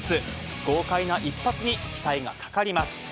豪快な一発に期待がかかります。